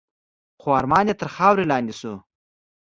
خو ارمان یې تر خاورو لاندي شو .